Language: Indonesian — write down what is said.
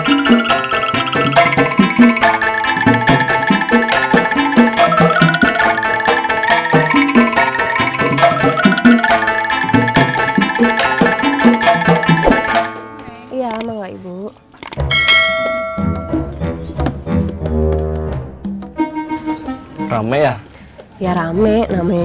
udah gak usah ngomongin dia